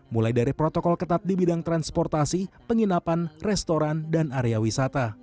mulai dari protokol ketat di bidang transportasi penginapan restoran dan area wisata